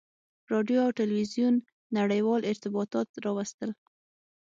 • راډیو او تلویزیون نړیوال ارتباطات راوستل.